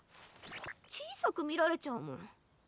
ちいさくみられちゃうもん。